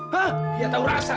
dia tahu rasa